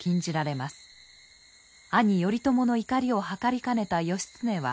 兄頼朝の怒りをはかりかねた義経は。